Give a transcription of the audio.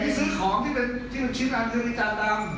มีซื้อของที่เป็นที่ชิ้นอ่าเหลือมีจานดำ